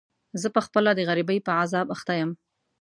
زه په خپله د غريبۍ په عذاب اخته يم.